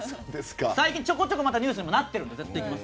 最近、ちょこちょこニュースにもなってます。